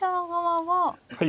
はい。